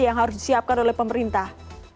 yang harus disiapkan oleh pemerintah